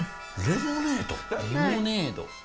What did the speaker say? レモネード？